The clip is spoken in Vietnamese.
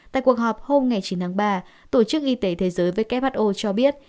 tại cuộc họp hôm chín tháng ba tổ chức y tế thế giới who cho biết